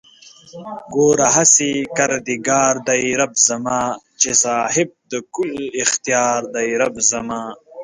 گوره هسې کردگار دئ رب زما چې صاحب د کُل اختيار دئ رب زما